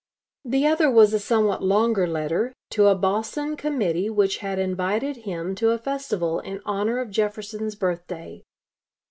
The other was a somewhat longer letter, to a Boston committee which had invited him to a festival in honor of Jefferson's birthday.